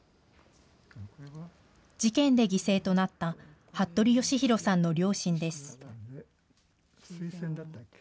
事件で犠牲となった服部剛丈さんの両親です。